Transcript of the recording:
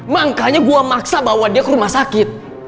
makanya gue maksa bawa dia ke rumah sakit